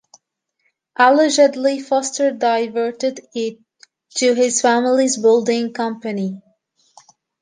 Allegedly, Foster diverted it to his family's building company.